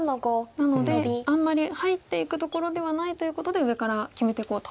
なのであんまり入っていくところではないということで上から決めていこうと。